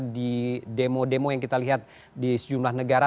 di demo demo yang kita lihat di sejumlah negara